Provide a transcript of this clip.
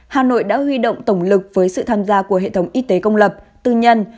hà nội đã huy động tổng lực với sự tham gia của hệ thống y tế công lập tư nhân